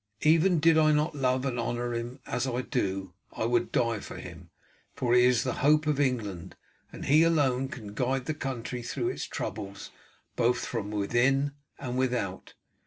Even did I not love and honour him as I do, I would die for him, for he is the hope of England, and he alone can guide the country through its troubles, both from within and without.